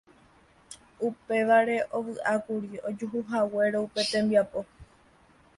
Upévare ovy'ákuri ojuhuhaguére upe tembiapo.